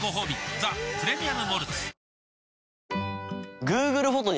「ザ・プレミアム・モルツ」